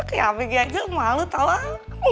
kayak begitu aja malu tau